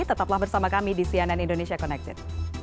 tetaplah bersama kami di cnn indonesia connected